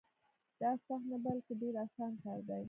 دا سخت نه بلکې ډېر اسان کار دی.